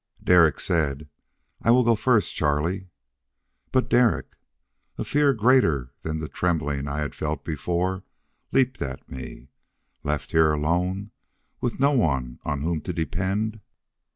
Derek said, "I will go first, Charlie." "But, Derek " A fear, greater than the trembling I had felt before, leaped at me. Left here alone, with no one on whom to depend!